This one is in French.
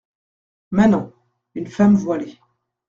Manants. une femme voilée.